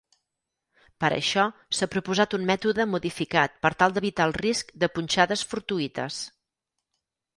Per això, s'ha proposat un mètode modificat per tal d'evitar el risc de punxades fortuïtes.